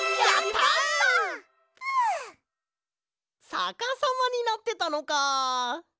さかさまになってたのか！